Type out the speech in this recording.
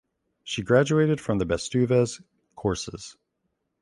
She graduated from the Bestuzhev Courses.